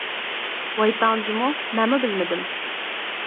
ۋاي تاڭ جۇمۇ، مەنمۇ بىلمىدىم!